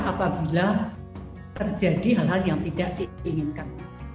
apabila terjadi hal hal yang tidak diinginkan